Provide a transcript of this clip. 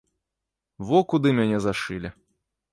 Во куды мяне зашылі.